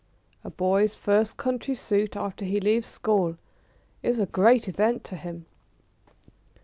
A boy's first "country suit" after he leaves school is a great event to him.